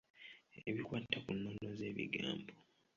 Ebikwata ku nnono z'ebigambo.